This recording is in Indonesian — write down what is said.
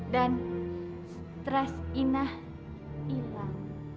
dan stres inah hilang